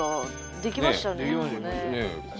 できましたねえ。